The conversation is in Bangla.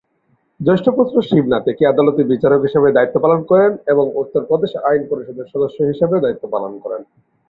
জ্যেষ্ঠ পুত্র, শিবনাথ, একই আদালতে বিচারক হিসেবে দায়িত্ব পালন করেন এবং উত্তরপ্রদেশ আইন পরিষদের সদস্য হিসেবেও দায়িত্ব পালন করেন।